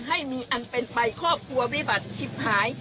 ให้มีอันเป็นไปครอบครัววิบัติชิบหาย